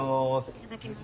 いただきます。